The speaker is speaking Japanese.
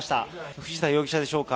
藤田容疑者でしょうか。